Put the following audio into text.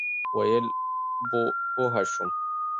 ویل بوه سوم.